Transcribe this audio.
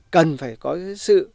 cần phải có cái sự